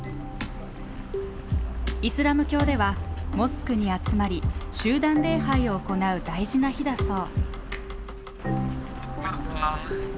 イスラム教ではモスクに集まり集団礼拝を行う大事な日だそう。